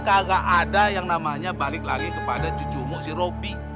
kagak ada yang namanya balik lagi kepada cucumu si ropi